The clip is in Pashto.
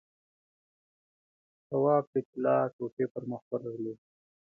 تواب د طلا ټوټې پر مخ ورغلې.